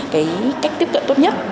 cái cách tiếp cận tốt nhất